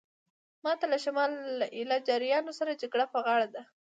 ماته له شمال له ایله جاریانو سره جګړه په غاړه ده.